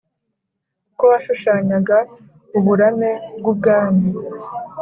kuko washushanyaga "uburame" bw'ubwami